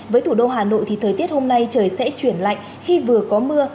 với thủ đô hà nội thì thời tiết hôm nay trời sẽ chuyển lạnh khi vừa có mưa